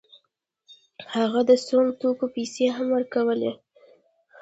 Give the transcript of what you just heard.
هغه د سونګ توکو پیسې هم ورکولې.